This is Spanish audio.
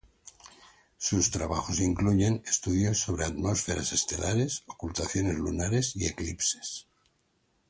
Sus trabajos incluyen estudios sobre atmósferas estelares, ocultaciones lunares y eclipses.